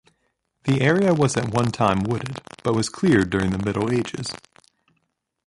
The area was at one time wooded, but was cleared during the Middle Ages.